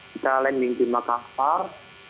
kita landing di makassar